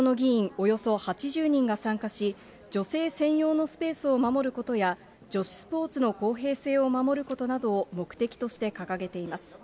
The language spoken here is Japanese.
およそ８０人が参加し、女性専用のスペースを守ることや、女子スポーツの公平性を守ることなどを目的として掲げています。